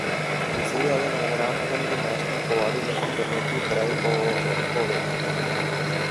وزیرِ اعظم عمران خان کی نیشنل کوارڈینیشن کمیٹی برائے کوویڈ